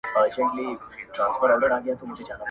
ما ويل وېره مي پر زړه پرېوته.